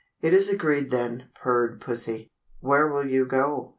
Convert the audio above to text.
"It is agreed then," purred Pussie. "Where will you go?"